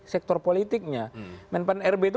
sektor politiknya men pan rb itu